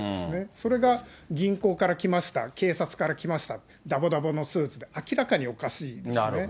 それが銀行から来ました、警察から来ました、だぼだぼのスーツで、明らかにおかしいですね。